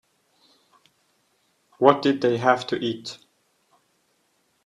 What did they have to eat?